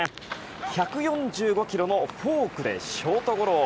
１４５キロのフォークでショートゴロ。